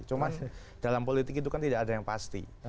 cuma dalam politik itu kan tidak ada yang pasti